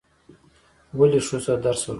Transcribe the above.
ولې ښځو ته درس ورکوئ؟